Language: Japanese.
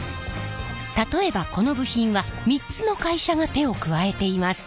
例えばこの部品は３つの会社が手を加えています。